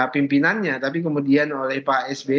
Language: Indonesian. pimpinannya tapi kemudian oleh pak sby